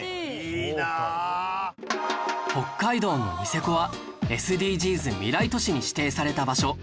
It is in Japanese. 北海道のニセコは ＳＤＧｓ 未来都市に指定された場所